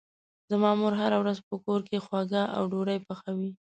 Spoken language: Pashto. زما مور هره ورځ په کور کې خواږه او ډوډۍ پخوي.